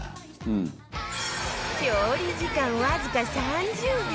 調理時間わずか３０秒！